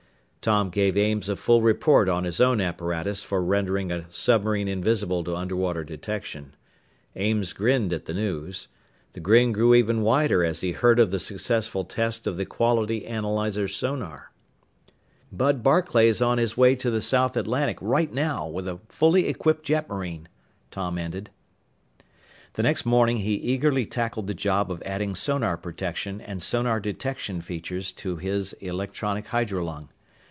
Tom gave Ames a full report on his own apparatus for rendering a submarine invisible to underwater detection. Ames grinned at the news. The grin grew even wider as he heard of the successful test of the quality analyzer sonar. "Bud Barclay's on his way to the South Atlantic right now with a fully equipped jetmarine," Tom ended. The next morning he eagerly tackled the job of adding sonar protection and sonar detection features to his electronic hydrolung.